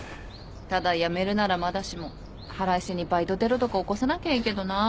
ただ辞めるならまだしも腹いせにバイトテロとか起こさなきゃいいけどなぁ。